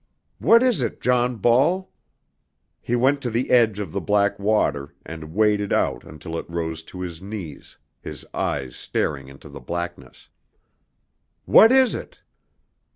"What is it, John Ball?" He went to the edge of the black water and waded out until it rose to his knees, his eyes staring into the blackness. "What is it?"